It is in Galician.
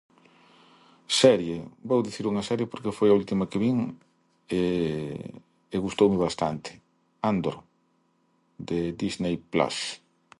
Serie? Vou dicir unha serie porque foi a última que vin e gustoume bastante. Andor, de Disney Plus.